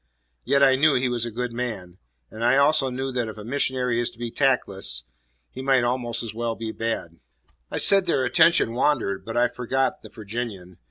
Yet I knew he was a good man; and I also knew that if a missionary is to be tactless, he might almost as well be bad. I said their attention wandered, but I forgot the Virginian.